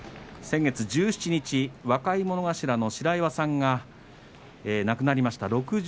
先月１７日若者頭の白岩さんが亡くなりました。